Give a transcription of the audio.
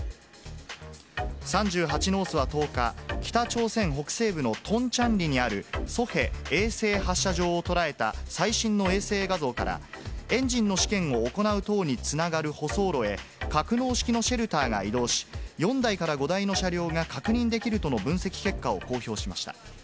３８ノースは１０日、北朝鮮北西部のトンチャンリにあるソヘ衛星発射場を捉えた最新の衛星画像から、エンジンの試験を行う塔につながる舗装路へ、格納式のシェルターが移動し、４台から５台の車両が確認できるとの分析結果を公表しました。